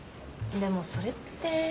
でもそれって。